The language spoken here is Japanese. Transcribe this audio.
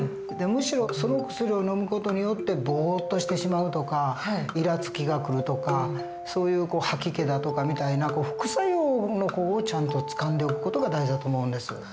でむしろその薬をのむ事によってぼっとしてしまうとかいらつきがくるとかそういう吐き気だとかみたいな副作用の方をちゃんとつかんでおく事が大事だと思うんです。